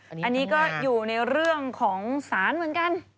อันนี้ก็อยู่ในเรื่องของศาลเหมือนกัน